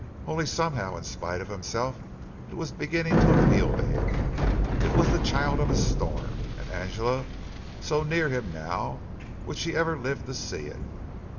Only, somehow, in spite of himself, it was beginning to appeal to him. It was the child of a storm. And Angela, so near him now would she ever live to see it?